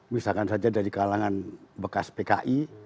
misalkan saja dari kalangan bekas pki